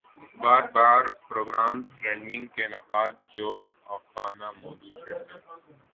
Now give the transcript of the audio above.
باربار program trading کے نقّاد جواخانہ موضوع چھیڑتے ہیں